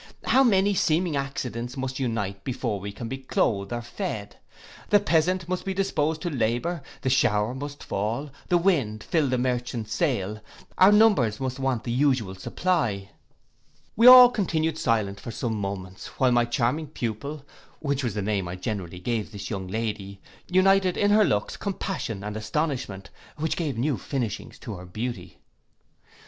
How many seeming accidents must unite before we can be cloathed or fed. The peasant must be disposed to labour, the shower must fall, the wind fill the merchant's sail, or numbers must want the usual supply. We all continued silent for some moments, while my charming pupil, which was the name I generally gave this young lady, united in her looks compassion and astonishment, which gave new finishings to her beauty.